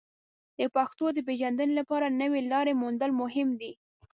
د پښتو د پیژندنې لپاره نوې لارې موندل مهم دي.